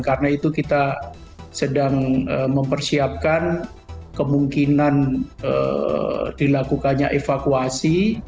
karena itu kita sedang mempersiapkan kemungkinan dilakukannya evakuasi